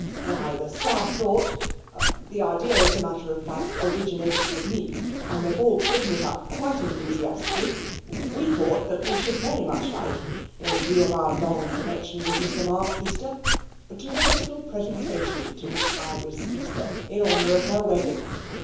" Why, the staff thought — the idea, as a matter of fact, originated with me, and they have all taken it up quite enthusiastically — we thought that we should very much like, in view of our long connection with Mr. Mark Easter, to make a little presentation to Miss Iris Easter, in honour of her wedding.